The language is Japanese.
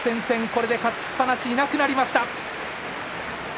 これで勝ちっぱなしいなくなりました。